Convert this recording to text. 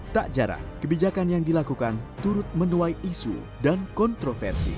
tak jarang kebijakan yang dilakukan turut menuai isu dan kontroversi